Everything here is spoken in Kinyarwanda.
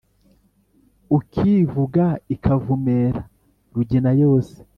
Ukivuga ikavumera Rugina yose